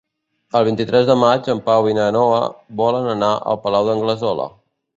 El vint-i-tres de maig en Pau i na Noa volen anar al Palau d'Anglesola.